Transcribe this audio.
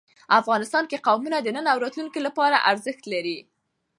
افغانستان کې قومونه د نن او راتلونکي لپاره ارزښت لري.